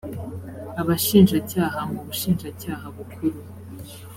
abashinjacyaha mu bushinjacyaha bukuru